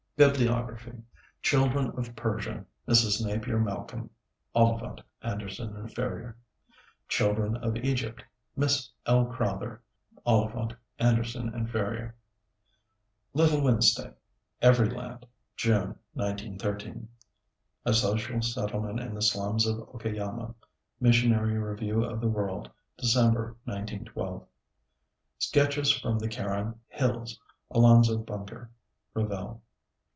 BIBLIOGRAPHY Children of Persia, Mrs. Napier Malcolm, (Oliphant, Anderson & Ferrier.) Children of Egypt, Miss L. Crowther, (Oliphant, Anderson & Ferrier.) "Little Wednesday," Everyland, June, 1913. "A Social Settlement in the Slums of Okayama," Missionary Review of the World, Dec., 1912. Sketches from the Karen Hills, Alonzo Bunker, (Revell.)